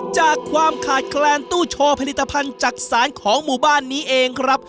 จากความขาดแคลนตู้โชว์ผลิตภัณฑ์จักษานของหมู่บ้านนี้เองครับ